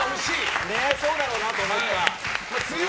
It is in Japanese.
そうだろうなと思った。